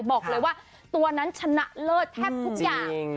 บอกเลยว่าตัวนั้นชนะเลิศแทบทุกอย่าง